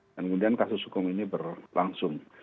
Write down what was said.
dan kemudian kasus hukum ini berlangsung